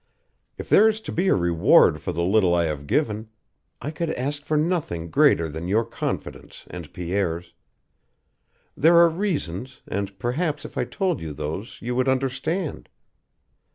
If there is to be a reward for the little I have given I could ask for nothing greater than your confidence and Pierre's. There are reasons, and perhaps if I told you those you would understand."